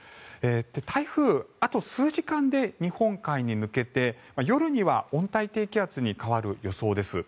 台風、あと数時間で日本海に抜けて夜には温帯低気圧に変わる予想です。